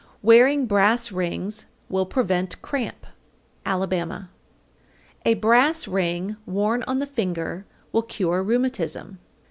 Wearing brass rings will prevent cramp. Alabama. 810. A brass ring worn on the finger will cure rheumatism.